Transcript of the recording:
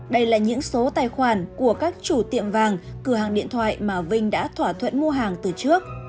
đây là những số tài khoản của các chủ tiệm vàng cửa hàng điện thoại mà vinh đã thỏa thuận mua hàng từ trước